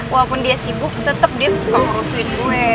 walaupun dia sibuk tetep dia suka ngerusuin gue